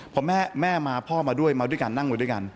พอแม่มาพ่อมาด้วยมาด้วยกันนั่งมาด้วยกัน